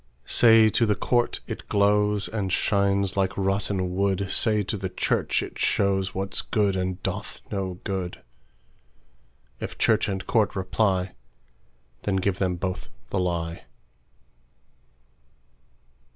Say to the court, it glowsAnd shines like rotten wood; Say to the church, it showsWhat's good, and doth no good:If church and court reply, Then give them both the lie.